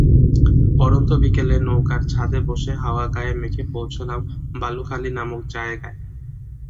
পড়ন্ত বিকেলে নৌকার ছাদে বসে হাওয়া গায়ে মেখে পৌঁছলাম বালুখালী নামক জায়গায়।